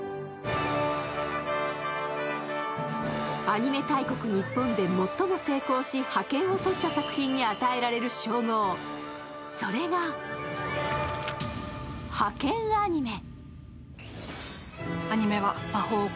アニメ大国・日本で最も成功し覇権をとった作品に与えられる称号、それがハケンアニメ。